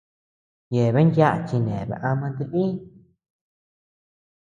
Yeabean yaʼa chineabea ama tilï.